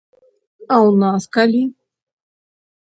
А ў нас калі?